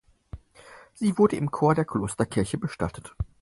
Sie wurde im Chor der Klosterkirche bestattet.